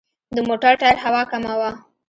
د موټر ټایر هوا کمه وه.